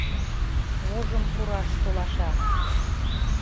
Ожым пураш толаша!